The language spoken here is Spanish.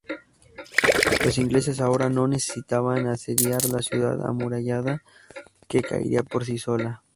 Los ingleses ahora no necesitaban asediar la ciudad amurallada, que caería por sí sola.